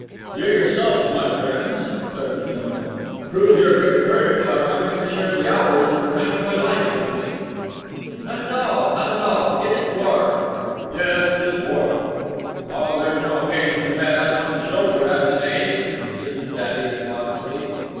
"You yourselves, my friends," declared the general, "prove your great courage by coming to share the hours that remain of my life with me." "Not at all, not at all! It is war." "Yes, it is war." "Oh, there's no occasion to pat us on the shoulder, Athanase," insisted Thaddeus modestly.